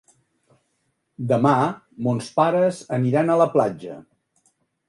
Demà mons pares aniran a la platja.